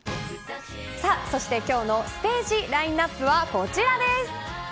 そして今日のステージラインアップはこちらです。